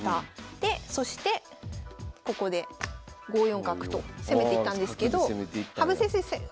でそしてここで５四角と攻めていったんですけど羽生先生